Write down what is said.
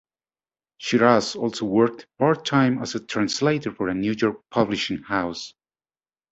Shiras also worked part-time as a translator for a New York publishing house.